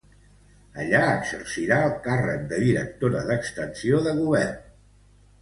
Allí exercirà el càrrec de directora d'extensió de govern.